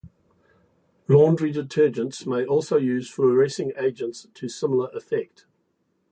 Laundry detergents may also use fluorescing agents to similar effect.